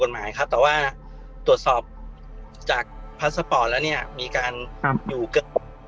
สุดท้ายก็ไม่มีทางเลือกแต่มีทางเลือกที่ไม่มีทางเลือก